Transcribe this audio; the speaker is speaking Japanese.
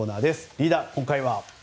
リーダー、今回は？